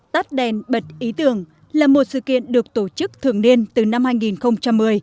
tắt đèn bật ý tưởng là một sự kiện được tổ chức thường niên từ năm hai nghìn một mươi